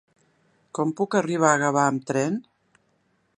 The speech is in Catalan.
Com puc arribar a Gavà amb tren?